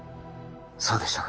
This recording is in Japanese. そうでしたか